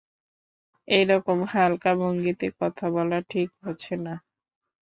এ রকম হালকা ভঙ্গিতে কথা বলা ঠিক হচ্ছে না।